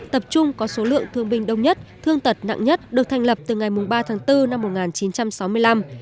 tập trung có số lượng thương binh đông nhất thương tật nặng nhất được thành lập từ ngày ba tháng bốn năm một nghìn chín trăm sáu mươi năm